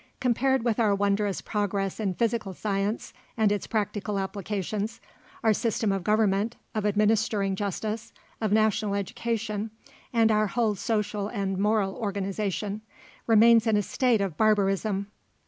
Compared with our wondrous progress in physical science and its practical applications, our system of government, of administering justice, of national education, and our whole social and moral organization, remains in a state of barbarism.